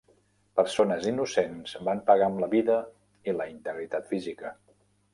Persones innocents van pagar amb la vida i la integritat física.